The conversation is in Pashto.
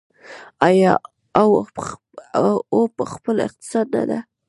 آیا او په خپل اقتصاد نه ده؟